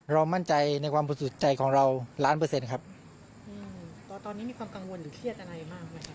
มั่นใจในความบริสุทธิ์ใจของเราล้านเปอร์เซ็นต์ครับอืมตอนนี้มีความกังวลหรือเครียดอะไรมากไหมครับ